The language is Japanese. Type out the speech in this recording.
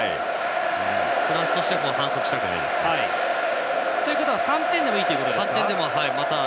フランスとしては反則したくないです。ということは３点でもいいということですね。